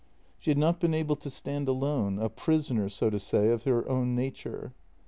She had not been able to stand alone, a prisoner, so to say, of her own nature.